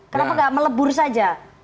kenapa nggak melebur saja